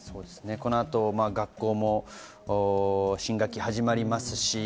この後、学校も新学期始まりますし。